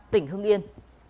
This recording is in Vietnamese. tỉnh hưng yên